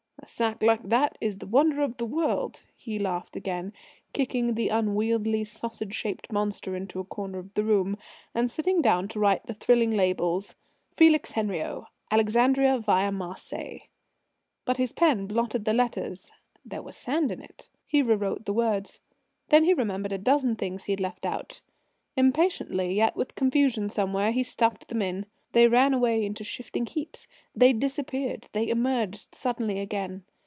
"A sack like that is the wonder of the world," he laughed again, kicking the unwieldy, sausage shaped monster into a corner of the room, and sitting down to write the thrilling labels: "Felix Henriot, Alexandria via Marseilles." But his pen blotted the letters; there was sand in it. He rewrote the words. Then he remembered a dozen things he had left out. Impatiently, yet with confusion somewhere, he stuffed them in. They ran away into shifting heaps; they disappeared; they emerged suddenly again.